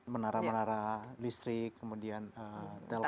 menara menara listrik kemudian telkom